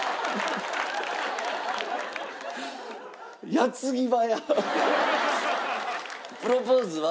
矢継ぎ早。